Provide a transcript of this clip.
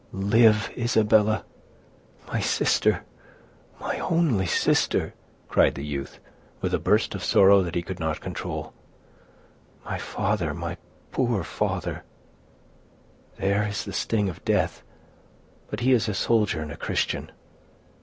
"Live, Isabella, my sister, my only sister!" cried the youth, with a burst of sorrow that he could not control. "My father! my poor father—" "There is the sting of death; but he is a soldier and a Christian.